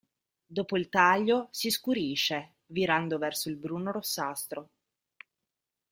Dopo il taglio si scurisce virando verso il bruno rossastro.